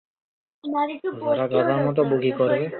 আমাকে চাবি নিয়ে যেতে হবে।